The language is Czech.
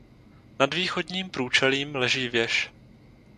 Nad východním průčelím leží věž.